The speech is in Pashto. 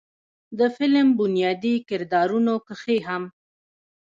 د فلم بنيادي کردارونو کښې هم